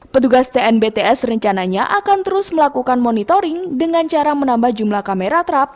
petugas tnbts rencananya akan terus melakukan monitoring dengan cara menambah jumlah kamera trap